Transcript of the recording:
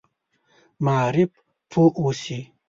معارف پوه اوسي.